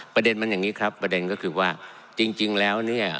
ประเด็นมันอย่างนี้ครับประเด็นก็คือว่าจริงแล้วเนี่ย